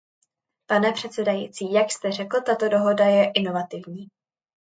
Pane předsedající, jak jste řekl, tato dohoda je inovativní.